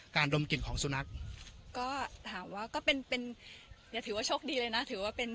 ดมกลิ่นของสุนัขก็ถามว่าก็เป็นเป็นอย่าถือว่าโชคดีเลยนะถือว่าเป็น